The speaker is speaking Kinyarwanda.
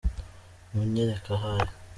munyereke aho ari.